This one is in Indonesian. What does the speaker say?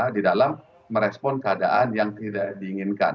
di dalam merespon keadaan yang tidak diinginkan